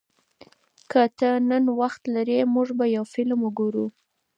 که ته نن وخت لرې، موږ به یو فلم وګورو.